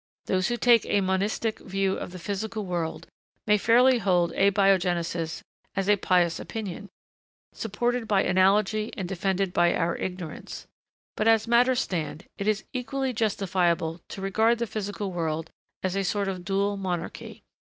Those who take a monistic view of the physical world may fairly hold abiogenesis as a pious opinion, supported by analogy and defended by our ignorance. But, as matters stand, it is equally justifiable to regard the physical world as a sort of dual monarchy.